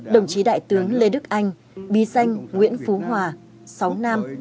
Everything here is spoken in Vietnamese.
đồng chí đại tướng lê đức anh bí danh nguyễn phú hòa sáu nam